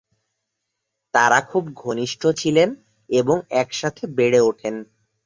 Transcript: তারা খুব ঘনিষ্ঠ ছিলেন এবং একসাথে বেড়ে ওঠেন।